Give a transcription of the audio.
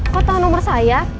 kok tau nomor saya